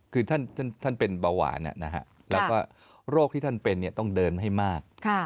คือท่านเป็นเบาหวานแล้วก็โรคที่ท่านเป็นต้องเดินให้มาก